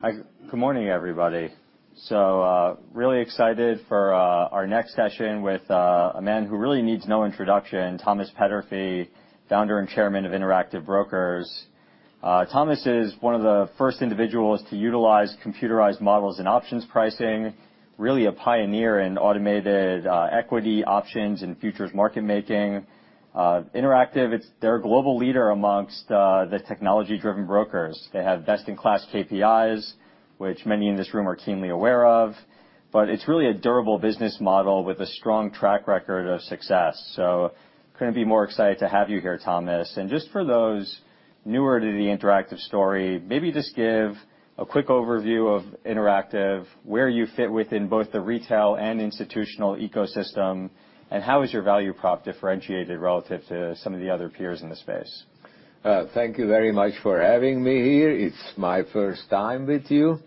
Hi, good morning, everybody. Really excited for our next session with a man who really needs no introduction, Thomas Peterffy, Founder and Chairman of Interactive Brokers. Thomas is one of the first individuals to utilize computerized models in options pricing, really a pioneer in automated equity options and futures market making. Interactive Brokers, they're a global leader amongst the technology-driven brokers. They have best-in-class KPIs, which many in this room are keenly aware of but it's really a durable business model with a strong track record of success. Couldn't be more excited to have you here, Thomas. Just for those newer to the Interactive story, maybe just give a quick overview of Interactive, where you fit within both the retail and institutional ecosystem and how is your value prop differentiated relative to some of the other peers in the space? Thank you very much for having me here. It's my first time with you.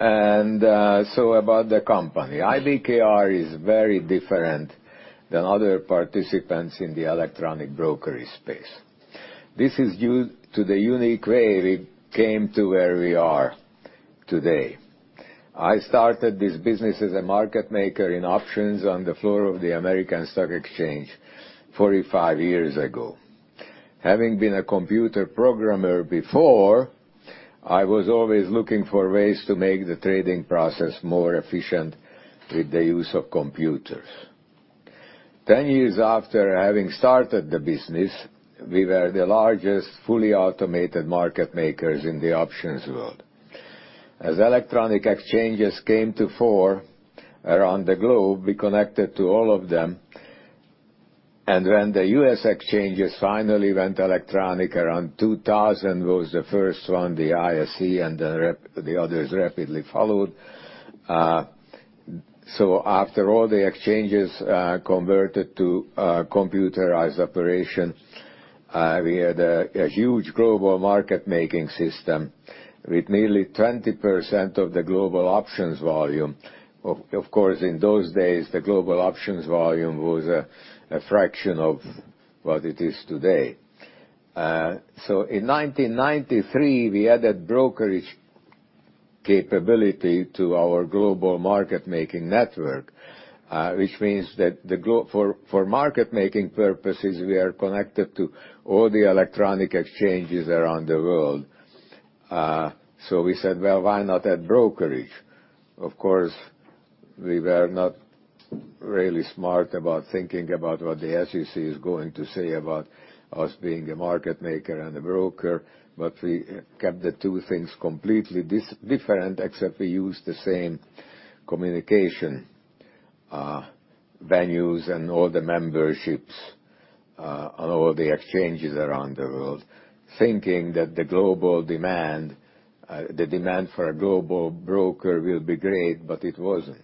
About the company. IBKR is very different than other participants in the electronic brokerage space. This is due to the unique way we came to where we are today. I started this business as a market maker in options on the floor of the American Stock Exchange 45 years ago. Having been a computer programmer before, I was always looking for ways to make the trading process more efficient with the use of computers. 10 years after having started the business, we were the largest fully automated market makers in the options world. As electronic exchanges came to the fore around the globe, we connected to all of them. When the U.S. exchanges finally went electronic around 2000 was the first one, the ISE and the others rapidly followed. After all the exchanges converted to computerized operation, we had a huge global market-making system with nearly 20% of the global options volume. Of course, in those days, the global options volume was a fraction of what it is today. In 1993, we added brokerage capability to our global market-making network, which means that for market-making purposes, we are connected to all the electronic exchanges around the world. We said, "Well, why not add brokerage?". Of course, we were not really smart about thinking about what the SEC is going to say about us being a market maker and a broker but we kept the two things completely different, except we used the same communication venues and all the memberships on all the exchanges around the world, thinking that the global demand, the demand for a global broker will be great but it wasn't.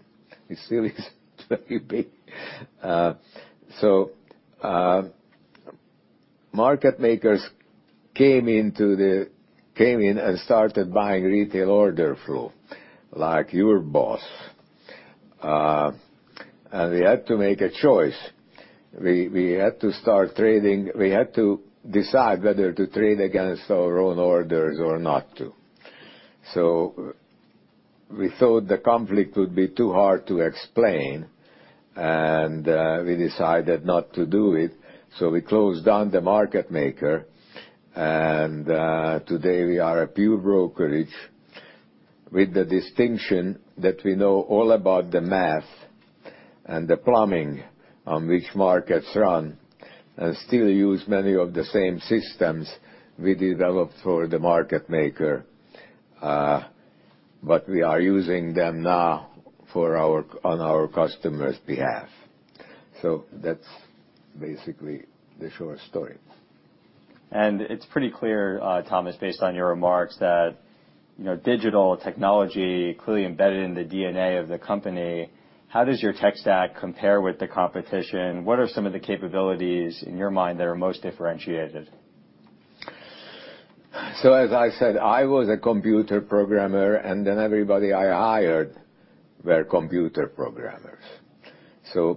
It still isn't very big. Market makers came in and started buying retail order flow, like your boss. We had to make a choice. We had to start trading. We had to decide whether to trade against our own orders or not to. We thought the conflict would be too hard to explain and we decided not to do it, so we closed down the market maker. Today we are a pure brokerage with the distinction that we know all about the math and the plumbing on which markets run and still use many of the same systems we developed for the market maker but we are using them now on our customer's behalf. That's basically the short story. It's pretty clear, Thomas, based on your remarks, that, you know, digital technology clearly embedded in the DNA of the company. How does your tech stack compare with the competition? What are some of the capabilities in your mind that are most differentiated? As I said, I was a computer programmer and then everybody I hired were computer programmers.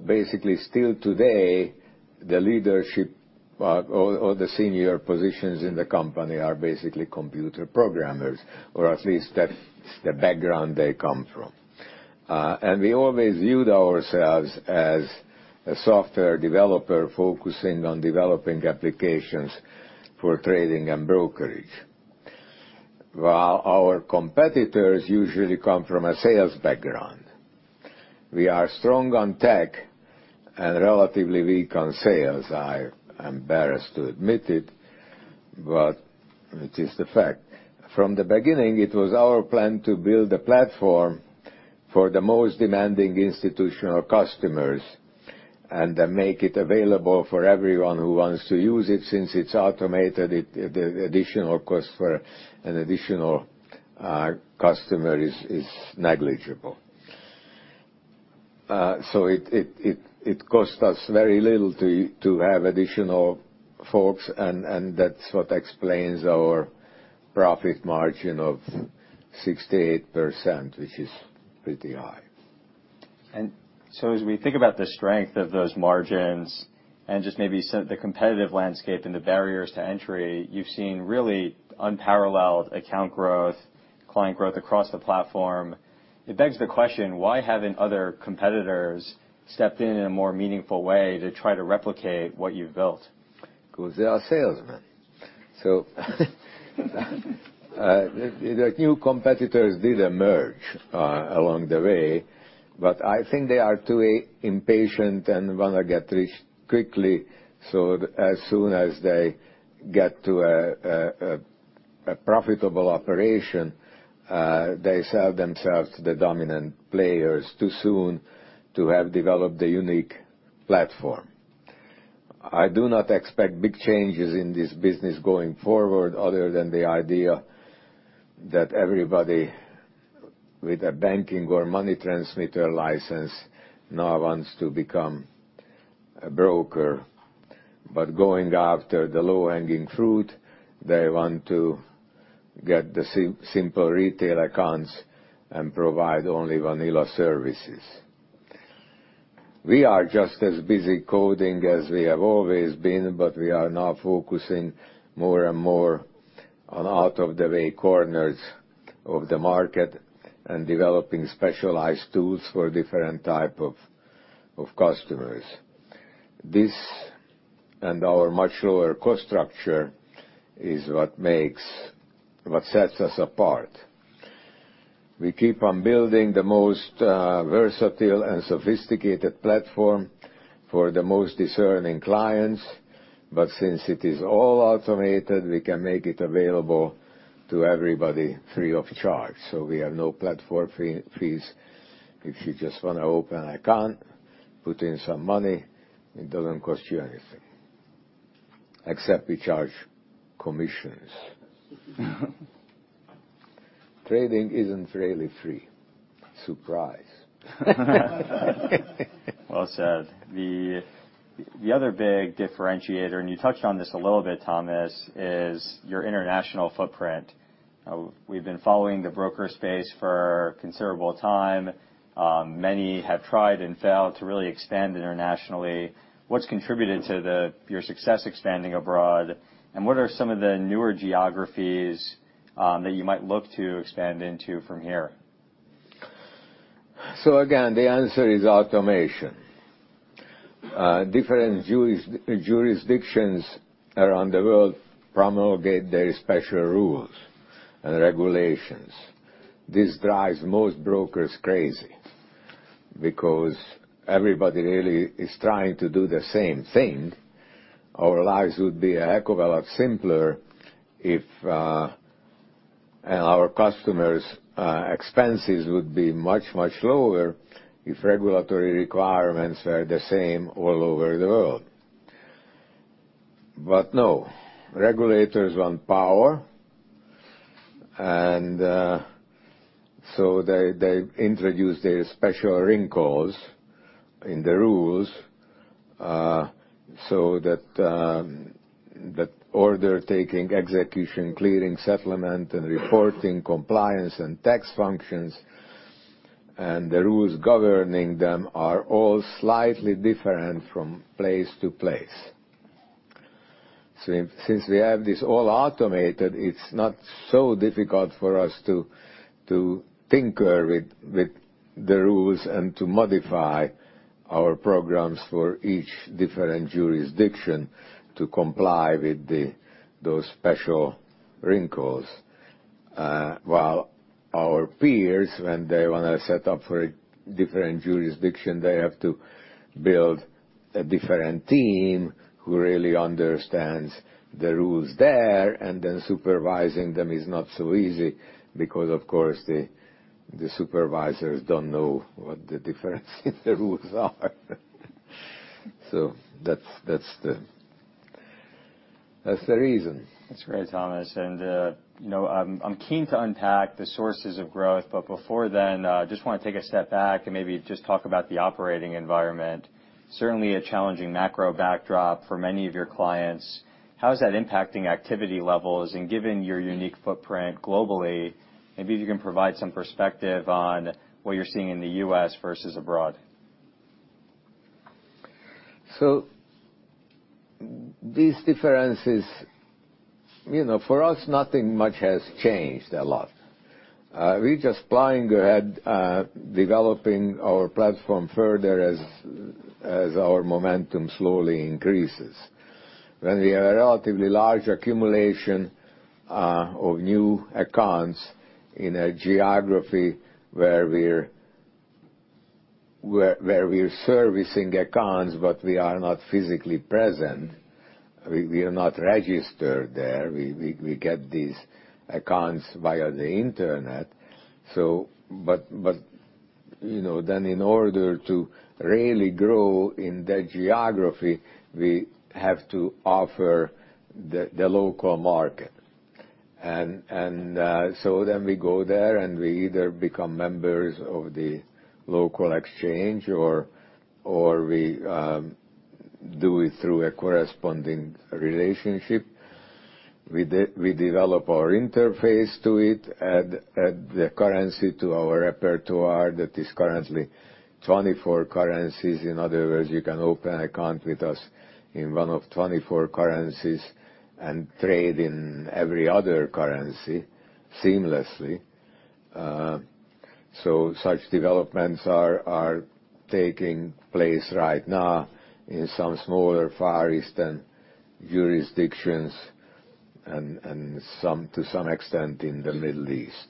Basically, still today, the leadership, all the senior positions in the company are basically computer programmers or at least that's the background they come from. We always viewed ourselves as a software developer focusing on developing applications for trading and brokerage, while our competitors usually come from a sales background. We are strong on tech and relatively weak on sales. I am embarrassed to admit it but it is the fact. From the beginning, it was our plan to build a platform for the most demanding institutional customers and then make it available for everyone who wants to use it. Since it's automated, it, the additional cost for an additional customer is negligible. It costs us very little to have additional folks and that's what explains our profit margin of 68%, which is pretty high. As we think about the strength of those margins and just maybe the competitive landscape and the barriers to entry, you've seen really unparalleled account growth, client growth across the platform. It begs the question, why haven't other competitors stepped in in a more meaningful way to try to replicate what you've built? 'Cause they are salesmen. The new competitors did emerge along the way but I think they are too impatient and wanna get rich quickly. As soon as they get to a profitable operation, they sell themselves to the dominant players too soon to have developed a unique platform. I do not expect big changes in this business going forward other than the idea that everybody with a banking or money transmitter license now wants to become a broker. Going after the low-hanging fruit, they want to get the simple retail accounts and provide only vanilla services. We are just as busy coding as we have always been but we are now focusing more and more on out-of-the-way corners of the market and developing specialized tools for different type of customers. This and our much lower cost structure, is what sets us apart. We keep on building the most versatile and sophisticated platform for the most discerning clients but since it is all automated, we can make it available to everybody free of charge. We have no platform fee, fees. If you just wanna open an account, put in some money, it doesn't cost you anything, except we charge commissions. Trading isn't really free. Surprise. Well said. The other big differentiator and you touched on this a little bit Thomas, is your international footprint. We've been following the broker space for a considerable time. Many have tried and failed to really expand internationally. What's contributed to your success expanding abroad and what are some of the newer geographies that you might look to expand into from here? Again, the answer is automation. Different jurisdictions around the world promulgate their special rules and regulations. This drives most brokers crazy because everybody really is trying to do the same thing. Our lives would be a heck of a lot simpler if and our customers' expenses would be much, much lower if regulatory requirements were the same all over the world. But no, regulators want power and so they introduce their special wrinkles in the rules so that order taking, execution, clearing, settlement and reporting, compliance and tax functions and the rules governing them are all slightly different from place to place. Since we have this all automated, it's not so difficult for us to tinker with the rules and to modify our programs for each different jurisdiction to comply with those special wrinkles. While our peers, when they wanna set up for a different jurisdiction, they have to build a different team who really understands the rules there and then supervising them is not so easy because, of course, the supervisors don't know what the difference in the rules are. That's the reason. That's great, Thomas. You know, I'm keen to unpack the sources of growth but before then, just wanna take a step back and maybe just talk about the operating environment. Certainly a challenging macro backdrop for many of your clients. How is that impacting activity levels? Given your unique footprint globally, maybe if you can provide some perspective on what you're seeing in the US versus abroad. These differences, you know, for us, nothing much has changed a lot. We're just plowing ahead, developing our platform further as our momentum slowly increases. When we have a relatively large accumulation of new accounts in a geography where we're servicing accounts but we are not physically present, we get these accounts via the internet. In order to really grow in that geography, we have to offer the local market. We go there and we either become members of the local exchange or we do it through a corresponding relationship. We develop our interface to it, add the currency to our repertoire that is currently 24 currencies. In other words, you can open account with us in one of 24 currencies and trade in every other currency seamlessly. Such developments are taking place right now in some smaller Far Eastern jurisdictions and some to some extent in the Middle East.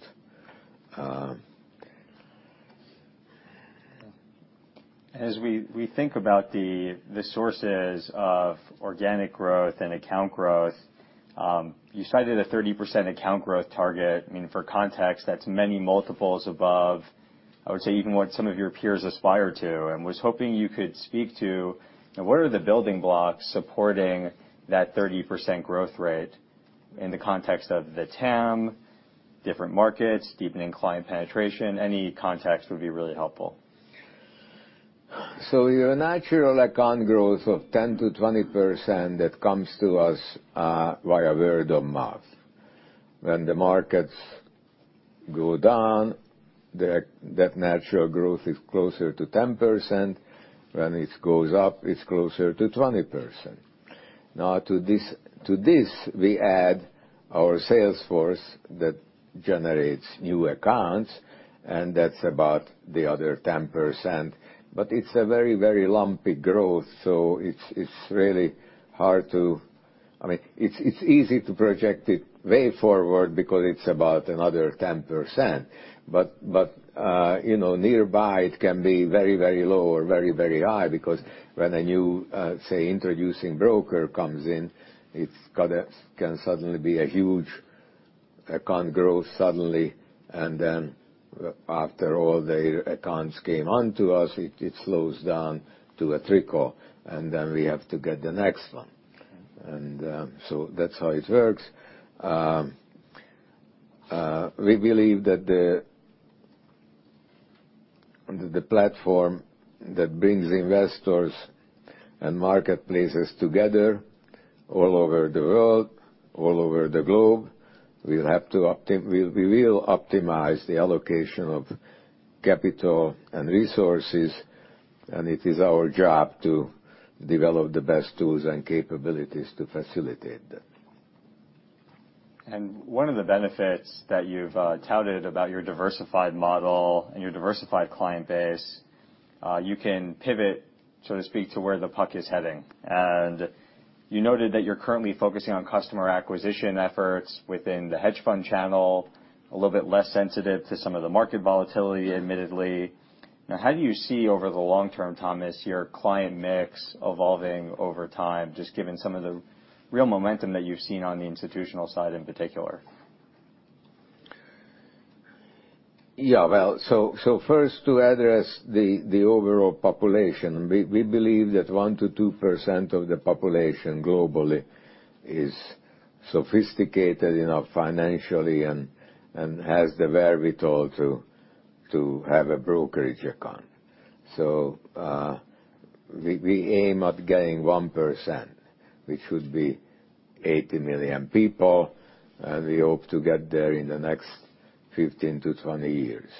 As we think about the sources of organic growth and account growth, you cited a 30% account growth target. I mean, for context, that's many multiples above, I would say, even what some of your peers aspire to and was hoping you could speak to what are the building blocks supporting that 30% growth rate in the context of the TAM, different markets, deepening client penetration, any context would be really helpful. Your natural account growth of 10%-20% that comes to us via word of mouth. When the markets go down, that natural growth is closer to 10%. When it goes up, it's closer to 20%. Now to this, we add our sales force that generates new accounts and that's about the other 10%. But it's a very, very lumpy growth, so it's really hard to. I mean, it's easy to project it way forward because it's about another 10% but you know, nearby it can be very, very low or very, very high because when a new, say, Introducing Broker comes in, it can suddenly be a huge account growth suddenly and then after all the accounts came onto us, it slows down to a trickle and then we have to get the next one. That's how it works. We believe that the platform that brings investors and marketplaces together all over the world, all over the globe, we will optimize the allocation of capital and resources and it is our job to develop the best tools and capabilities to facilitate that. One of the benefits that you've touted about your diversified model and your diversified client base, you can pivot, so to speak, to where the puck is heading. You noted that you're currently focusing on customer acquisition efforts within the hedge fund channel, a little bit less sensitive to some of the market volatility, admittedly. Now, how do you see over the long term, Thomas, your client mix evolving over time, just given some of the real momentum that you've seen on the institutional side in particular? Yeah. Well, so first to address the overall population, we believe that 1%-2% of the population globally is sophisticated enough financially and has the wherewithal to have a brokerage account. We aim at getting 1%, which would be 80 million people and we hope to get there in the next 15-20 years.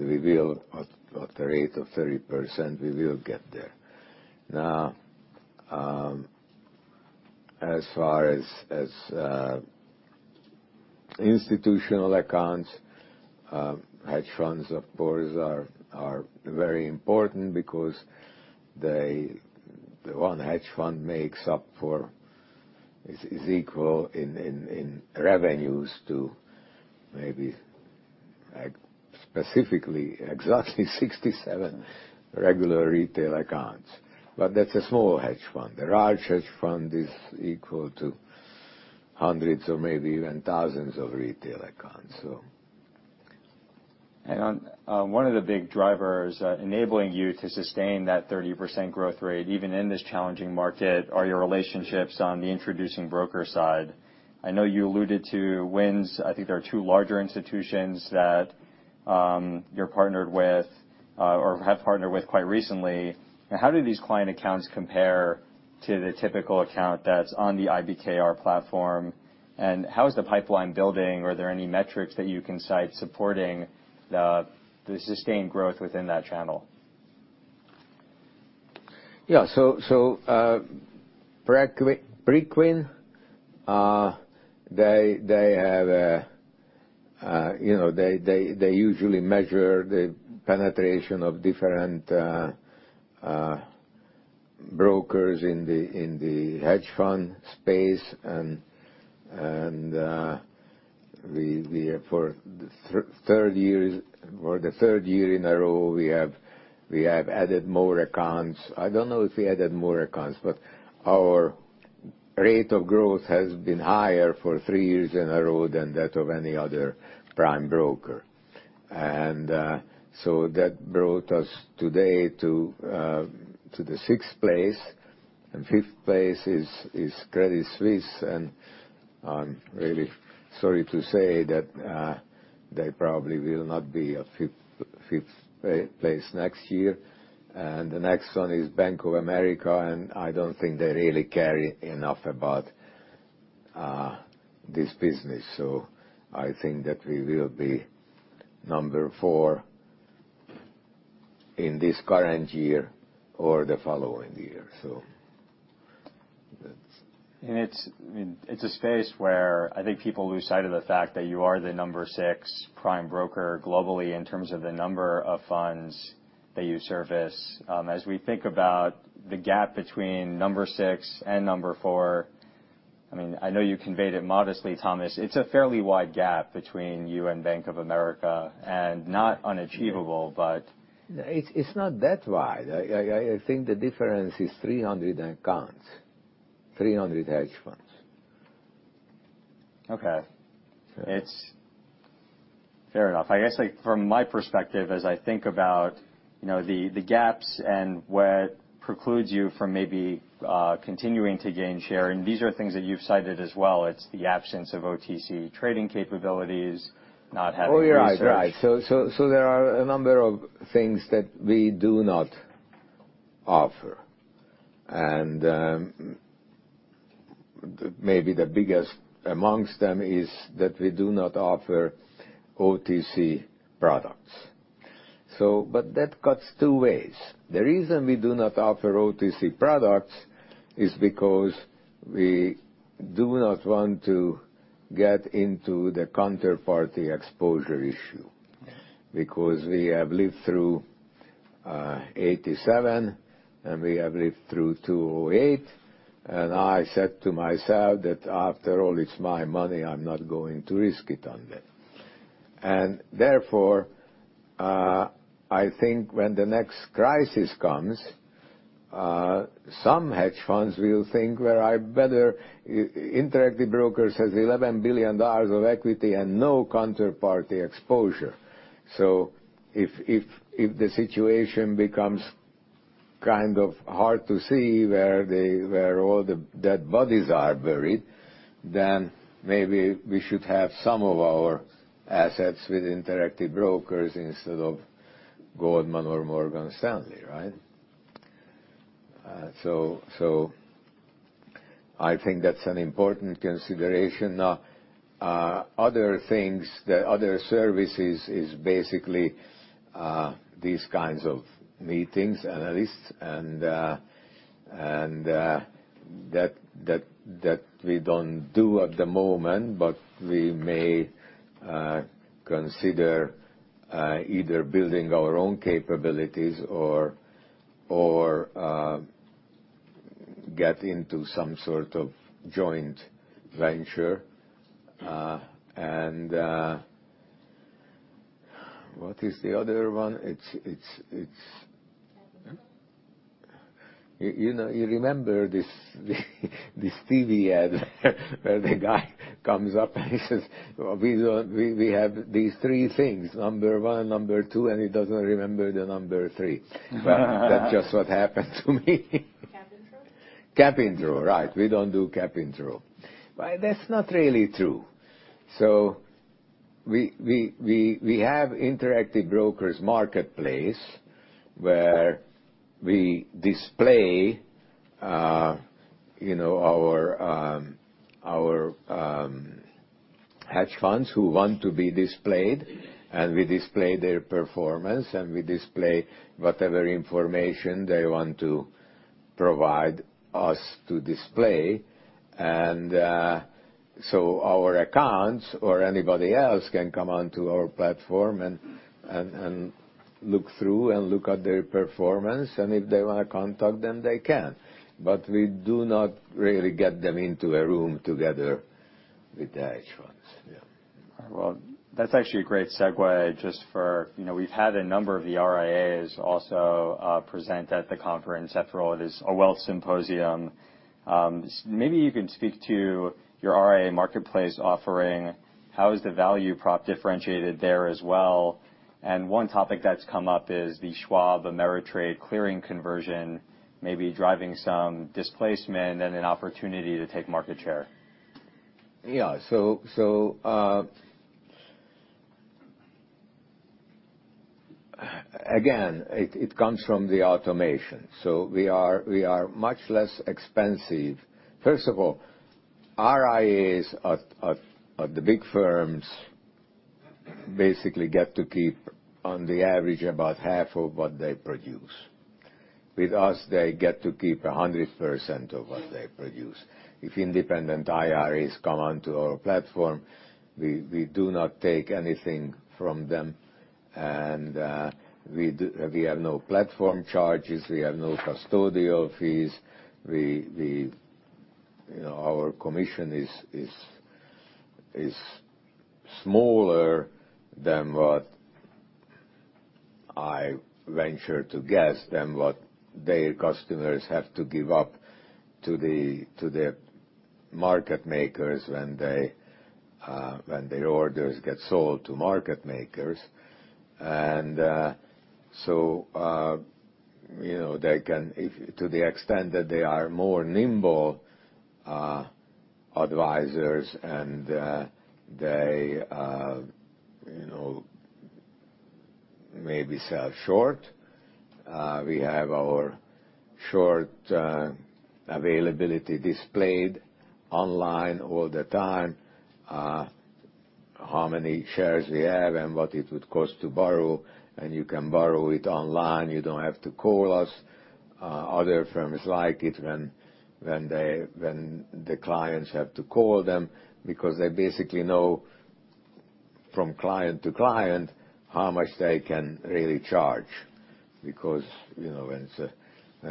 We will at the rate of 30% get there. Now, as far as institutional accounts, hedge funds, of course, are very important because they. One hedge fund is equal in revenues to maybe specifically, exactly 67 regular retail accounts. That's a small hedge fund. The large hedge fund is equal to hundreds or maybe even thousands of retail accounts, so. One of the big drivers enabling you to sustain that 30% growth rate, even in this challenging market, are your relationships on the introducing broker side. I know you alluded to wins. I think there are two larger institutions that you're partnered with or have partnered with quite recently. Now, how do these client accounts compare to the typical account that's on the IBKR platform? And how is the pipeline building? Are there any metrics that you can cite supporting the sustained growth within that channel? Preqin, you know, they usually measure the penetration of different brokers in the hedge fund space and we have, for the third year in a row, added more accounts. I don't know if we added more accounts but our rate of growth has been higher for three years in a row than that of any other prime broker. That brought us today to the sixth place. Fifth place is Credit Suisse. I'm really sorry to say that, they probably will not be a fifth place next year. The next one is Bank of America and I don't think they really care enough about this business. I think that we will be number four in this current year or the following year. It's a space where I think people lose sight of the fact that you are the number 6 prime broker globally in terms of the number of funds that you service. As we think about the gap between number 6 and number 4, I mean, I know you conveyed it modestly, Thomas, it's a fairly wide gap between you and Bank of America and not unachievable. It's not that wide. I think the difference is 300 accounts, 300 hedge funds. Okay. It's fair enough. I guess, like, from my perspective as I think about, you know, the gaps and what precludes you from maybe, continuing to gain share and these are things that you've cited as well, it's the absence of OTC trading capabilities, not having research. Oh, you're right. Right. There are a number of things that we do not offer. Maybe the biggest amongst them is that we do not offer OTC products. But that cuts two ways. The reason we do not offer OTC products is because we do not want to get into the counterparty exposure issue, because we have lived through 1987 and we have lived through 2008 and I said to myself that after all it's my money, I'm not going to risk it on that. Therefore, I think when the next crisis comes, some hedge funds will think, "Well, I better Interactive Brokers has $11 billion of equity and no counterparty exposure. If the situation becomes kind of hard to see where they all the dead bodies are buried, then maybe we should have some of our assets with Interactive Brokers instead of Goldman or Morgan Stanley, right? I think that's an important consideration. Other things, the other services is basically these kinds of meetings, analysts and that we don't do at the moment but we may consider either building our own capabilities or get into some sort of joint venture. What is the other one? It's you know, you remember this TV ad where the guy comes up and he says, "We have these three things, number one, number two," and he doesn't remember the number three. That's just what happened to me. Cap intro, right. We don't do cap intro. Well, that's not really true. We have Investors' Marketplace, where we display, you know, our hedge funds who want to be displayed and we display their performance and we display whatever information they want to provide us to display. Our accounts or anybody else can come onto our platform and look through and look at their performance. If they wanna contact them, they can. We do not really get them into a room together with the hedge funds. Yeah. Well, that's actually a great segue. You know, we've had a number of the RIAs also present at the conference. After all, it is a wealth symposium. Maybe you can speak to your RIA marketplace offering. How is the value prop differentiated there as well? One topic that's come up is the Charles Schwab clearing conversion maybe driving some displacement and an opportunity to take market share. Yeah. Again, it comes from the automation. We are much less expensive. First of all, RIAs of the big firms basically get to keep on average about half of what they produce. With us, they get to keep 100% of what they produce. If independent RIAs come onto our platform, we do not take anything from them and we have no platform charges, we have no custodial fees. You know, our commission is smaller than what I venture to guess their customers have to give up to the market makers when their orders get sold to market makers. You know, they can to the extent that they are more nimble, advisors and they, you know, maybe sell short. We have our short availability displayed online all the time. How many shares we have and what it would cost to borrow and you can borrow it online. You don't have to call us. Other firms like it when the clients have to call them because they basically know from client to client how much they can really charge. Because, you know, when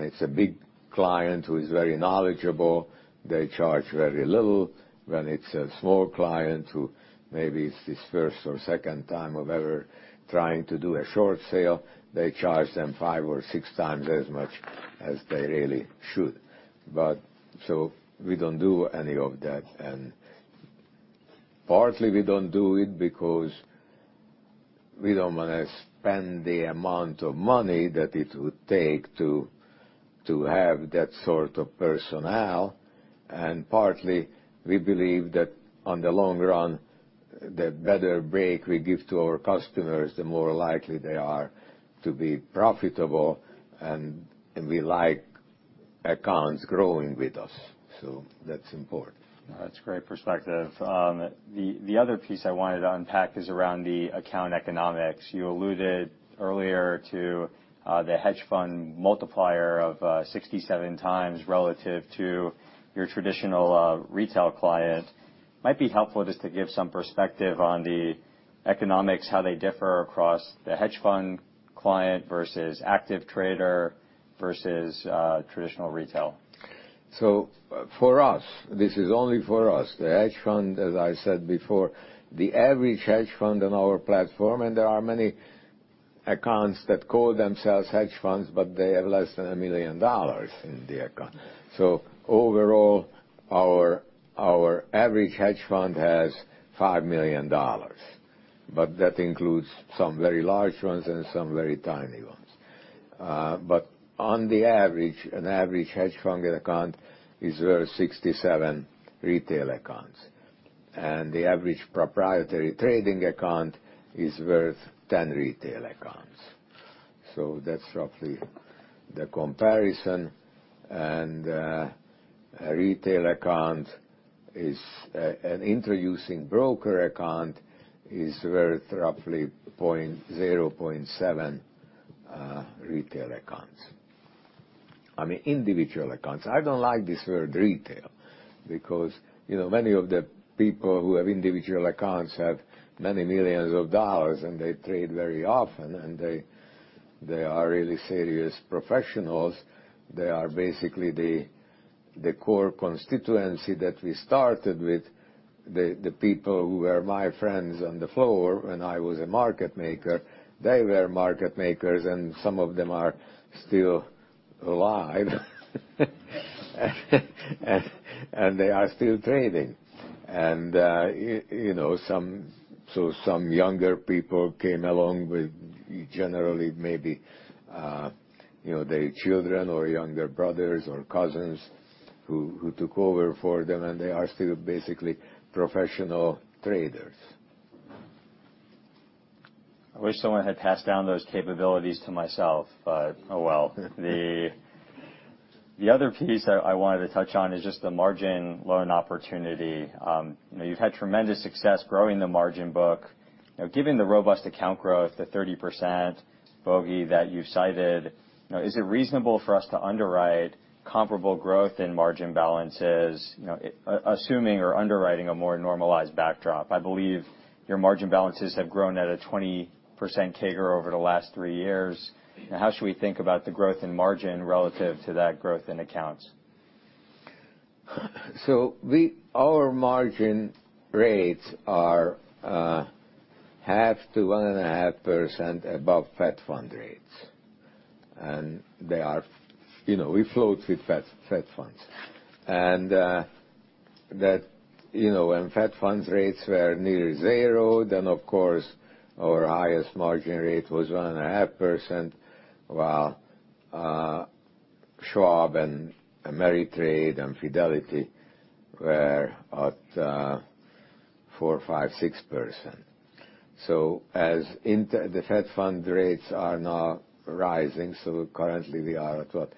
it's a big client who is very knowledgeable, they charge very little. When it's a small client who maybe it's his first or second time of ever trying to do a short sale, they charge them 5 or 6 times as much as they really should, so we don't do any of that. Partly we don't do it because we don't wanna spend the amount of money that it would take to have that sort of personnel. Partly we believe that on the long run, the better break we give to our customers, the more likely they are to be profitable. We like accounts growing with us, so that's important. That's a great perspective. The other piece I wanted to unpack is around the account economics. You alluded earlier to the hedge fund multiplier of 67 times relative to your traditional retail client. Might be helpful just to give some perspective on the economics, how they differ across the hedge fund client versus active trader versus traditional retail. For us, this is only for us. The hedge fund, as I said before, the average hedge fund on our platform and there are many accounts that call themselves hedge funds but they have less than $1 million in the account. Overall, our average hedge fund has $5 million but that includes some very large ones and some very tiny ones. On the average, an average hedge fund account is worth 67 retail accounts and the average proprietary trading account is worth 10 retail accounts. That's roughly the comparison. An introducing broker account is worth roughly 0.7 retail accounts. I mean, individual accounts. I don't like this word retail because, you know, many of the people who have individual accounts have many millions of dollars and they trade very often and they are really serious professionals. They are basically the core constituency that we started with. The people who were my friends on the floor when I was a market maker, they were market makers and some of them are still alive and they are still trading. You know, so some younger people came along with generally maybe, you know, their children or younger brothers or cousins who took over for them and they are still basically professional traders. I wish someone had passed down those capabilities to myself but, oh, well. The other piece I wanted to touch on is just the margin loan opportunity. You know, you've had tremendous success growing the margin book. You know, given the robust account growth, the 30% bogey that you've cited, you know, is it reasonable for us to underwrite comparable growth in margin balances, you know, assuming or underwriting a more normalized backdrop? I believe your margin balances have grown at a 20% CAGR over the last three years. How should we think about the growth in margin relative to that growth in accounts? Our margin rates are 0.5%-1.5% above Fed Funds rates. They are, you know, we float with Fed Funds. You know, when Fed Funds rates were near 0, then of course our highest margin rate was 1.5%, while Schwab and Ameritrade and Fidelity were at 4%, 5%, 6%. As the Fed Funds rates are now rising, currently we are at, what,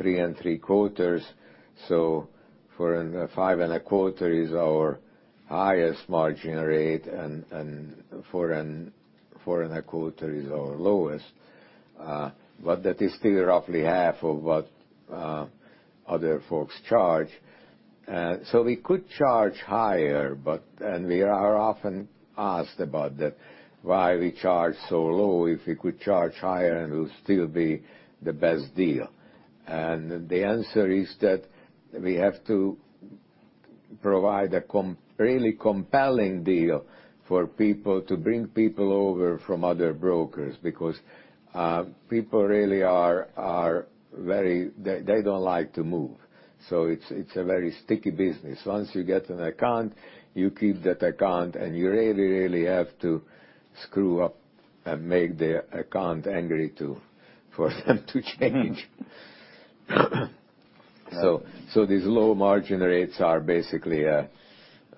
3.75%, so 5.25% is our highest margin rate and 4.25% is our lowest. But that is still roughly half of what other folks charge. We could charge higher and we are often asked about that, why we charge so low if we could charge higher and we'll still be the best deal. The answer is that we have to provide really compelling deal for people to bring people over from other brokers because people really are very they don't like to move. It's a very sticky business. Once you get an account, you keep that account and you really have to screw up and make the account angry to, for them to change. These low margin rates are basically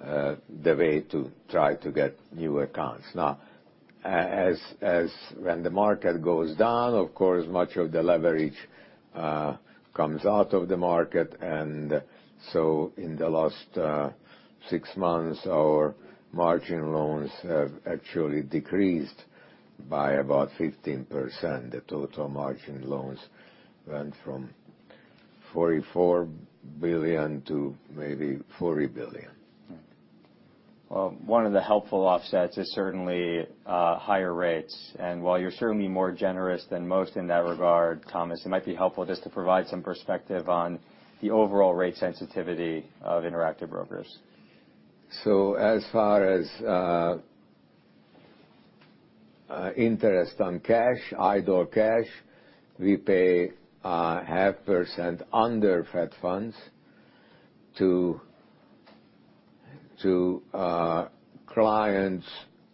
the way to try to get new accounts. Now, as when the market goes down, of course, much of the leverage comes out of the market. In the last six months, our margin loans have actually decreased by about 15%. The total margin loans went from $44 billion to maybe $40 billion. Well, one of the helpful offsets is certainly higher rates. While you're certainly more generous than most in that regard, Thomas, it might be helpful just to provide some perspective on the overall rate sensitivity of Interactive Brokers. As far as interest on cash, idle cash, we pay 0.5% under Fed Funds to clients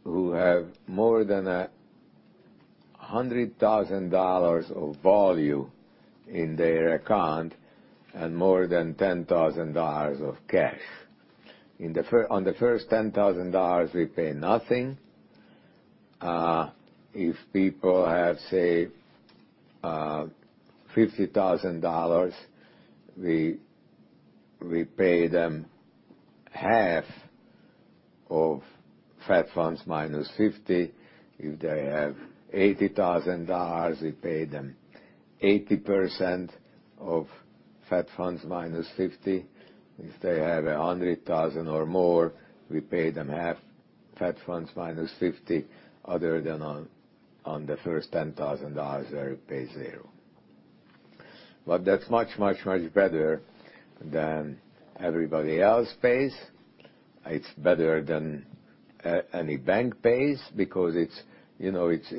who have more than $100,000 of volume in their account and more than $10,000 of cash. On the first $10,000, we pay nothing. If people have, say, $50,000, we pay them half of Fed Funds minus 50. If they have $80,000, we pay them 80% of Fed Funds minus 50. If they have $100,000 or more, we pay them half Fed Funds minus 50, other than on the first $10,000 where we pay 0. That's much better than everybody else pays. It's better than any bank pays because, you know, it's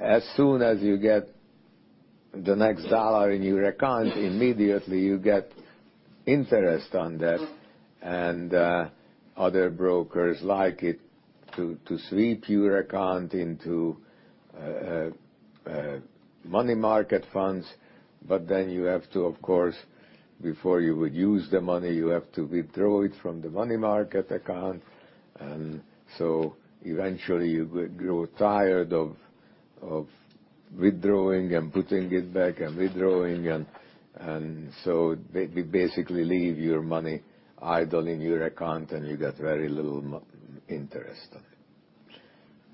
as soon as you get the next dollar in your account, immediately you get interest on that. Other brokers like it to sweep your account into money market funds. Then you have to, of course, before you would use the money, withdraw it from the money market account. Eventually you grow tired of withdrawing and putting it back and withdrawing and so basically leave your money idle in your account and you get very little interest on it.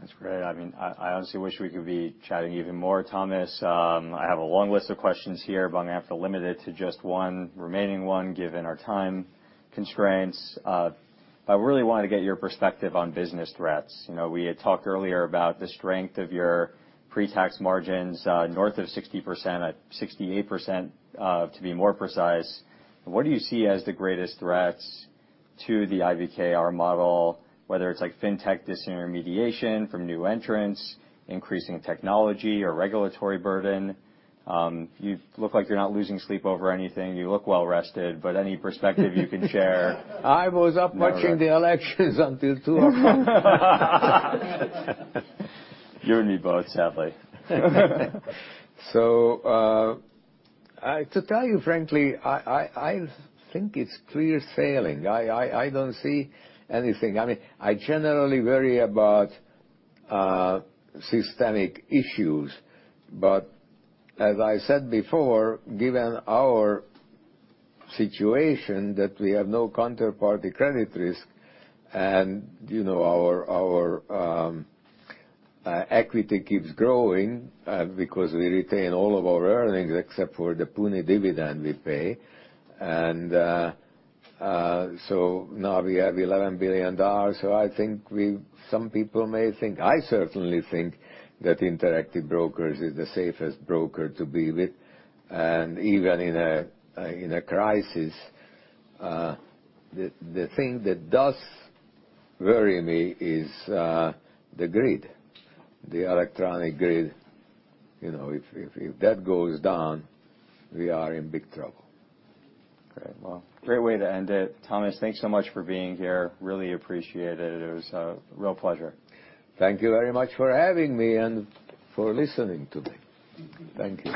That's great. I mean, I honestly wish we could be chatting even more, Thomas. I have a long list of questions here but I'm gonna have to limit it to just one remaining one, given our time constraints. I really wanna get your perspective on business threats. You know, we had talked earlier about the strength of your pre-tax margins, north of 60%, at 68%, to be more precise. What do you see as the greatest threats to the IBKR model, whether it's like fintech disintermediation from new entrants, increasing technology or regulatory burden? You look like you're not losing sleep over anything. You look well-rested but any perspective you can share. I was up watching the elections until two o'clock. You and me both, sadly. To tell you frankly, I think it's clear sailing. I don't see anything. I mean, I generally worry about systemic issues. As I said before, given our situation, that we have no counterparty credit risk and, you know, our equity keeps growing because we retain all of our earnings except for the puny dividend we pay. Now we have $11 billion. Some people may think, I certainly think that Interactive Brokers is the safest broker to be with and even in a crisis. The thing that does worry me is the grid, the electronic grid. You know, if that goes down, we are in big trouble. Great. Well, great way to end it. Thomas, thanks so much for being here. Really appreciate it. It was a real pleasure. Thank you very much for having me and for listening to me. Thank you.